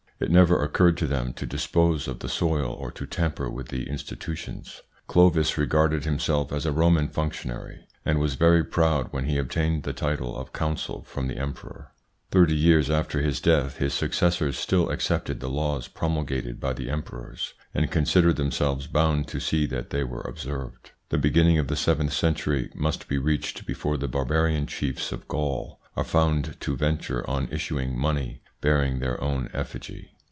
It never occurred to them to dispose of the soil or to tamper with the institutions. Clovis regarded himself as a Roman functionary, and was very proud when he obtained the title of consul from the emperor. Thirty years after his death, his successors still accepted the laws promulgated by the emperors, and considered themselves bound to see that they were observed. The beginning of the seventh century must be reached before the barbarian chiefs of Gaul are found to venture on issuing money bearing their own effigy.